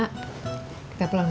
nunggu badannya langsing